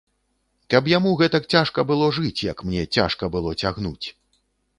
Каб яму гэтак цяжка было жыць, як мне цяжка было цягнуць.